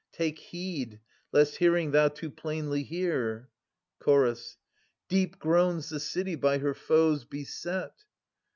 Take heed, lest hearing thou too plainly hear. Chorus. Deep groans the city by her foes beset